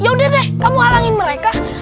ya udah deh kamu halangin mereka